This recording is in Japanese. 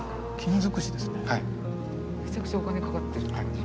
めちゃくちゃお金かかってる。